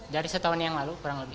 dari setahun yang lalu kurang lebih